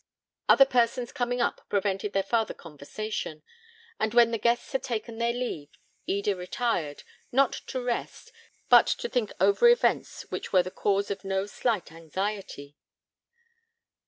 Other persons coming up prevented their farther conversation; and when the guests had taken their leave, Eda retired, not to rest, but to think over events which were the cause of no slight anxiety.